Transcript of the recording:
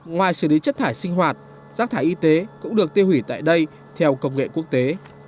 ngoài xử lý chất thải sinh hoạt rác thải y tế cũng được tiêu hủy tại đây theo công nghệ quốc tế